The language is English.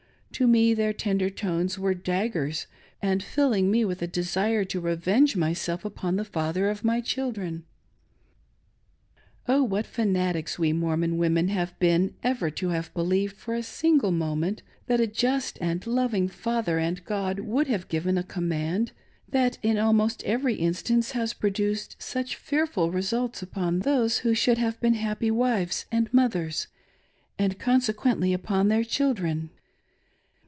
To me their tender tones were daggers, piercing my heart and filling me with a desire to revenge myself upon the father of my children. Oh, what tanatics we Mormon women have been ever to have believed for a single moment that a just and loving Father and God would have given a command that in almost every instance has produced such fearful results upon those who should have been happy wives and mothers, and consequently upon their children.